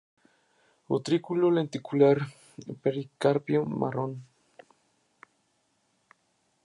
Utrículo lenticular; pericarpio marrón.